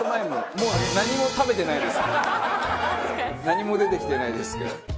何も出てきてないですけど。